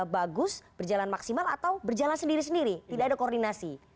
bagus berjalan maksimal atau berjalan sendiri sendiri tidak ada koordinasi